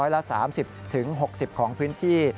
ละ๓๐๖๐ของพื้นที่